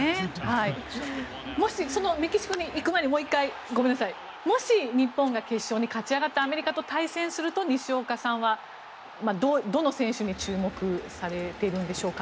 もしメキシコに行く前にもし、日本が決勝に勝ち上がってアメリカと対戦すると西岡さんはどの選手に注目されているんでしょうか。